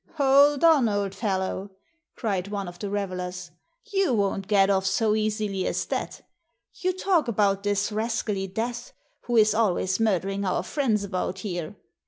Hold on, old fellow," cried one of the revelers. You won't get off so easily as that. You talk about this rascally Death, who is always murdering our friends about here.